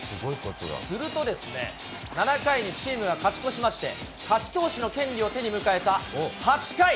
するとですね、７回にチームが勝ち越しまして、勝ち投手の権利を手に迎えた８回。